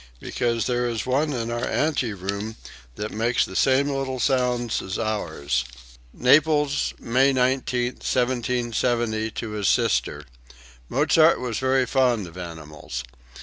Because there is one in our anteroom that makes the same little sounds as ours." (Naples, May 19, 1770, to his sister. Mozart was very fond of animals.